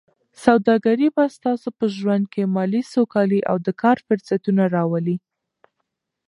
سوداګري به ستاسو په ژوند کې مالي سوکالي او د کار فرصتونه راولي.